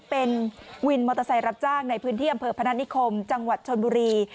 เป็นวินมอเตอร์ไซค์รับจ้างในพื้นที่อำเภอพนัฐนิคมจังหวัดชนบุรี